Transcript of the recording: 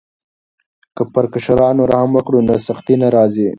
که پر کشرانو رحم وکړو نو سختي نه راځي.